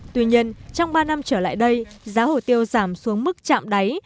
tuy nhiên trong ba năm trở lại đây giá hồ tiêu giảm xuống mức chạm đáy